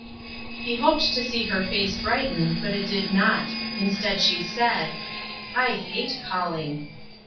He hoped to see her face brighten, but it did not. Instead she said: "I hate calling."